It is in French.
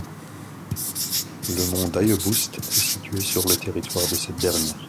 Le mont-d'Ailleboust est situé sur le territoire de cette dernière.